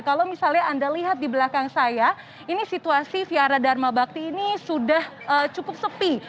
kalau misalnya anda lihat di belakang saya ini situasi viara dharma bakti ini sudah cukup sepi